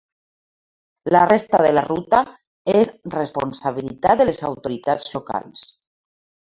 La resta de la ruta és responsabilitat de les autoritats locals.